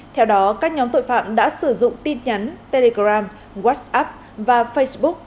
theo đó các nhóm tội phạm đã sử dụng tin nhắn telegram whatsapp và facebook